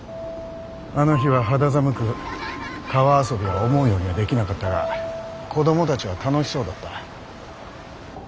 あの日は肌寒く川遊びは思うようにはできなかったが子供たちは楽しそうだった。